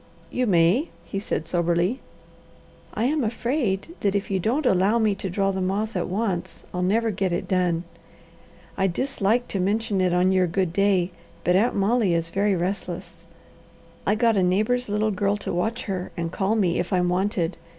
"You may," he said soberly. "I am afraid that if you don't allow me to draw the moth at once, I'll never get it done. I dislike to mention it on your good day, but Aunt Molly is very restless. I got a neighbour's little girl to watch her and call me if I'm wanted.